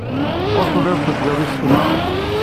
Ur telliḍ tettebbiḍ isekla.